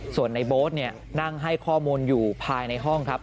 ส่วนในโบ๊ทนั่งให้ข้อมูลอยู่ภายในห้องครับ